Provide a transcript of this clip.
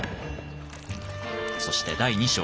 そして第２章。